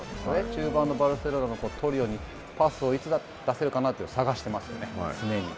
中盤のバルセロナのトリオにパスをいつ出せるかというのを探していますね、常に。